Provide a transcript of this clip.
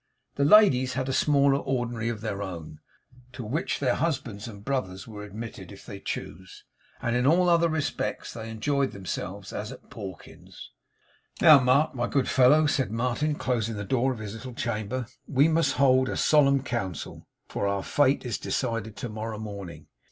The ladies had a smaller ordinary of their own, to which their husbands and brothers were admitted if they chose; and in all other respects they enjoyed themselves as at Pawkins's. 'Now, Mark, my good fellow, said Martin, closing the door of his little chamber, 'we must hold a solemn council, for our fate is decided to morrow morning.